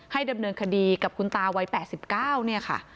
ดำเนินคดีกับคุณตาวัย๘๙เนี่ยค่ะ